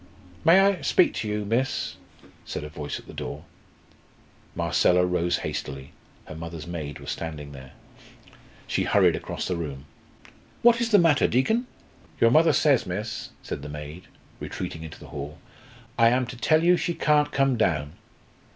"May I speak to you, miss?" said a voice at the door. Marcella rose hastily. Her mother's maid was standing there. She hurried across the room. "What is the matter, Deacon?" "Your mother says, miss," said the maid, retreating into the hall, "I am to tell you she can't come down.